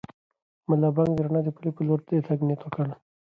ملا بانګ د رڼا د پولې په لور د تګ نیت وکړ.